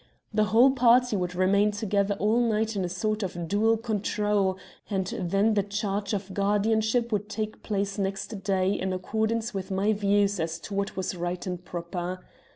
The whole party would remain together all night in a sort of dual control, and then the change of guardianship would take place next day in accordance with my views as to what was right and proper.